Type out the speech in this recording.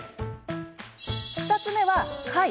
２つ目は「快」。